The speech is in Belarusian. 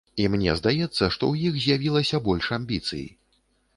І мне здаецца, што ў іх з'явілася больш амбіцый.